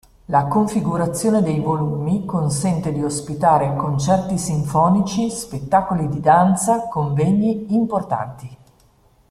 La configurazione dei volumi consente di ospitare concerti sinfonici, spettacoli di danza, convegni importanti.